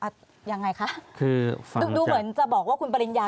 ดูเหมือนจะบอกว่าคุณปริญญา